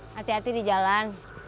hati hati di jalan